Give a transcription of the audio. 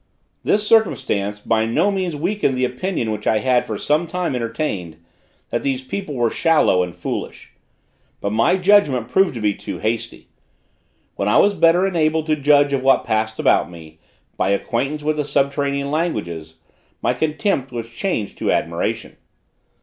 This circumstance by no means weakened the opinion which I had for some time entertained, that these people were shallow and foolish. But my judgment proved to be too hasty. When I was better enabled to judge of what passed about me, by acquaintance with the subterranean languages, my contempt was changed to admiration.